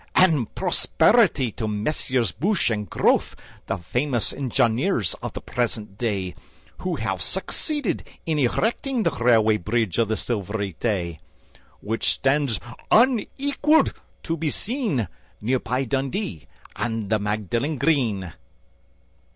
And prosperity to Messrs Bouche and Grothe, The famous engineers of the present day, Who have succeeded in erecting The Railway Bridge of the Silvery Tay, Which stands unequalled to be seen Near by Dundee and the Magdalen Green.